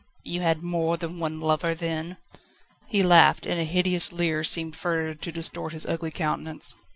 "You had more than one lover, then?" He laughed, and a hideous leer seemed further to distort his ugly countenance.